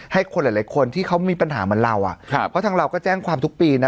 ให้คนหลายหลายคนที่เขามีปัญหาเหมือนเราอ่ะครับเพราะทางเราก็แจ้งความทุกปีนะ